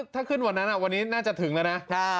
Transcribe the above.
ถ้าขึ้นวันนั้นวันนี้น่าจะถึงแล้วนะ